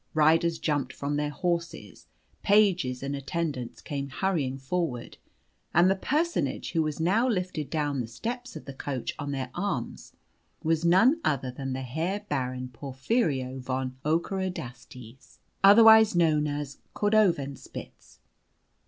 Riders jumped from their horses, pages and attendants came hurrying forward, and the personage who was now lifted down the steps of the coach on their arms was none other than the Herr Baron Porphyrio von Ockerodastes, otherwise known as Cordovanspitz.